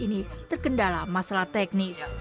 ini terkendala masalah teknis